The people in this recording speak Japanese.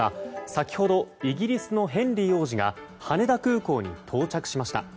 先ほどイギリスのヘンリー王子が羽田空港に到着しました。